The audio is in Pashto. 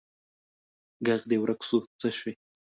ږغ دي ورک سو څه سوي